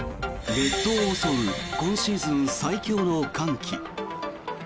列島を襲う今シーズン最強の寒気。